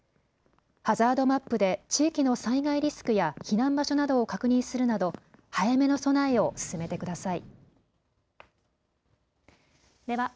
ハザードマップで地域の災害リスクや避難場所などを確認するなど、早めの備えを進めてください。